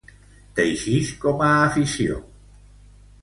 Teixix com a afició.